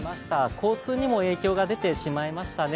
交通にも影響が出てしまいましたね。